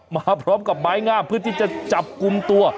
มาพร้อมกับไม้งามเพื่อที่จะจับกลุ่มตัว